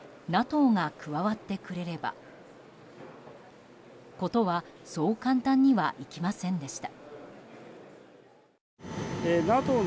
中国包囲網にＮＡＴＯが加わってくれれば事は、そう簡単にはいきませんでした。